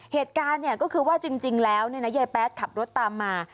เหตุการณ์ก็คือว่าจริงแล้วยายแป๊ดขับรถตามมา